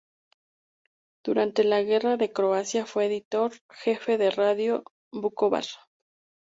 Durante la Guerra de Croacia, fue editor jefe de Radio Vukovar.